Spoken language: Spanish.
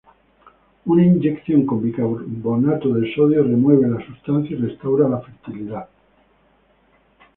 Una inyección con bicarbonato de sodio remueve la sustancia y restaura la fertilidad.